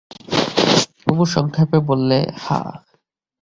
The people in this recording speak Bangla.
কমু সংক্ষেপে বললে, হাঁ।